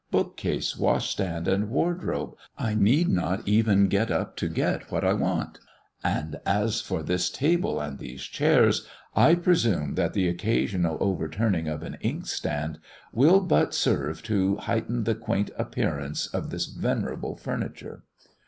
Bookcase, washstand, and wardrobe I need not even get up to get what I want and as for this table and these chairs, I presume that the occasional overturning of an inkstand will but serve to heighten the quaint appearance of this venerable furniture!"